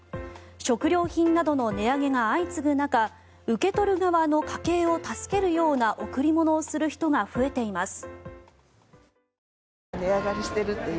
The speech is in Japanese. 食料品などの値上げが相次ぐ中受け取る側の家計を助けるような贈り物をする人が増えています。